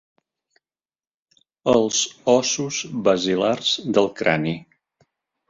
Els ossos basilars del crani.